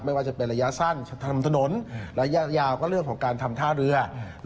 ไม่ว่าจะเป็นระยะสั้นทำถนนระยะยาวก็เรื่องของการทำท่าเรือ